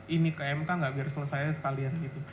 ini ke mk nggak biar selesai sekalian gitu